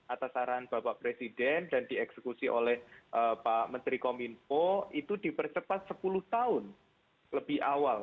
atas saran bapak presiden dan dieksekusi oleh pak menteri kominfo itu dipercepat sepuluh tahun lebih awal